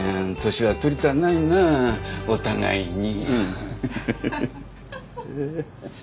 年は取りたないなあお互いに。